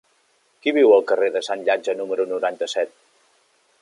Qui viu al carrer de Sant Llàtzer número noranta-set?